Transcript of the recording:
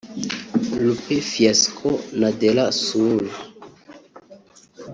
Lupe Fiasco na Dela Soul